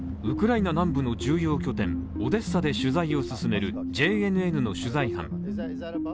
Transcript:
ウクライナ南部の重要拠点オデッサで取材を進めるＪＮＮの取材班。